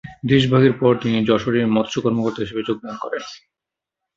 দেশভাগের পর তিনি যশোরে মৎস্য কর্মকর্তা হিসেবে যোগদান করেন।